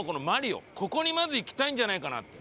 ここにまず行きたいんじゃないかなって。